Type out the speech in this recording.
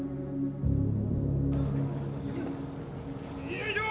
よいしょ！